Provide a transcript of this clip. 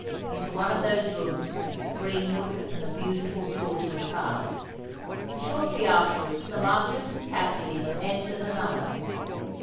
Into one of those rooms Greenwood and the beautiful Georgian passed. Shortly afterwards the Marquis and Kathleen entered another.